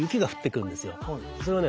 それをね